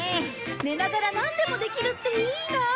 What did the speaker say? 寝ながらなんでもできるっていいなあ。